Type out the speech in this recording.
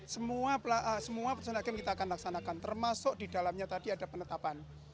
semua putusan hakim kita akan laksanakan termasuk di dalamnya tadi ada penetapan